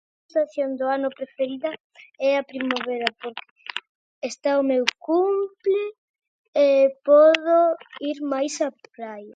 Estación do ano preferida é a primavera porque está o meu cumple e podo ir máis á praia.